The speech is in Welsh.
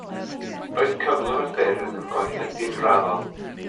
Roedd cyflwr y ffyrdd yn gwaethygu'n raddol.